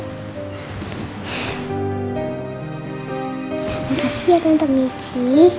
terima kasih ya tante mici